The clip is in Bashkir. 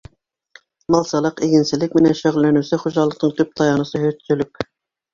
Малсылыҡ, игенселек менән шөғөлләнеүсе хужалыҡтың төп таянысы — һөтсөлөк.